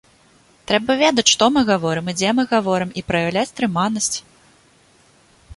Трэба ведаць, што мы гаворым і дзе мы гаворым, і праяўляць стрыманасць.